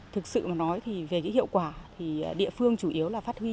thực sự mà nói thì về cái hiệu quả thì địa phương chủ yếu là phát huy